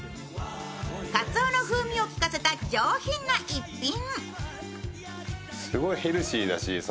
かつおの風味をきかせた上品な逸品。